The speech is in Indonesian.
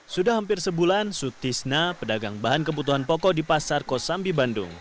sudah hampir sebulan sutisna pedagang bahan kebutuhan pokok di pasar kosambi bandung